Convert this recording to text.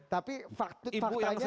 tapi faktanya gak bisa